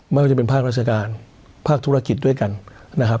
ไม่ว่าจะเป็นภาคราชการภาคธุรกิจด้วยกันนะครับ